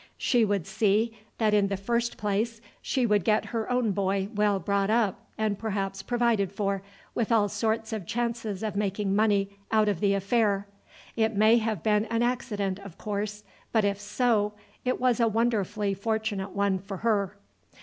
She would see that in the first place she would get her own boy well brought up, and perhaps provided for, with all sorts of chances of making money out of the affair. It may have been an accident, of course, but if so, it was a wonderfully fortunate one for her."